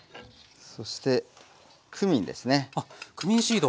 そしてクミンですね。